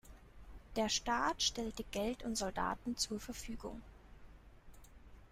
Der Staat stellte Geld und Soldaten zur Verfügung.